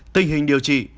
tình hình điều trị